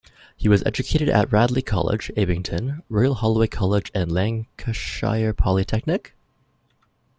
He was educated at Radley College, Abingdon, Royal Holloway College and Lancashire Polytechnic.